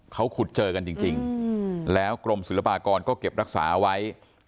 เขาขุดเจอกันจริงแล้วกรมศิลปากรก็เก็บรักษาไว้